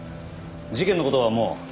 事件の事はもう。